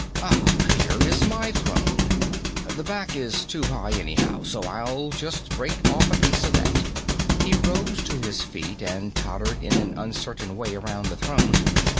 "Ah, here is my throne. The back is too high, anyhow, so I'll just break off a piece of that." He rose to his feet and tottered in an uncertain way around the throne.